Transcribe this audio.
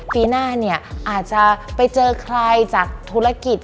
ปีหน้าเนี่ยอาจจะไปเจอใครจากธุรกิจ